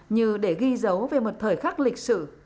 như để ghi dấu về một thời khắc lịch sử